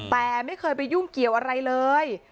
แต่ไม่เคยไปยุ่งเกี่ยวอะไรเลย